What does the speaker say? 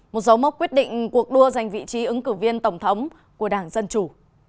một dấu mốc quyết định cuộc đua giành vị trí ứng cử viên tổng thống của đảng dân chủ